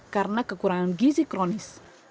karena kekurangan gizi kronis